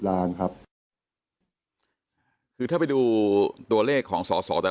และการแสดงสมบัติของแคนดิเดตนายกนะครับ